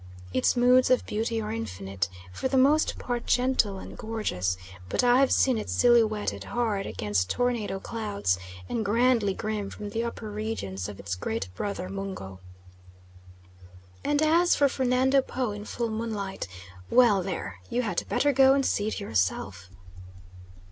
Its moods of beauty are infinite; for the most part gentle and gorgeous, but I have seen it silhouetted hard against tornado clouds, and grandly grim from the upper regions of its great brother Mungo. And as for Fernando Po in full moonlight well there! you had better go and see it yourself.